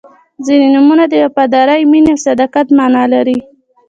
• ځینې نومونه د وفادارۍ، مینې او صداقت معنا لري.